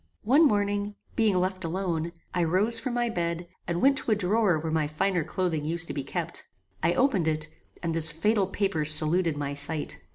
One morning, being left alone, I rose from my bed, and went to a drawer where my finer clothing used to be kept. I opened it, and this fatal paper saluted my sight.